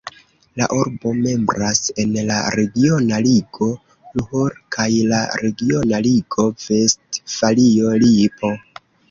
La urbo membras en la regiona ligo Ruhr kaj la regiona ligo Vestfalio-Lipo.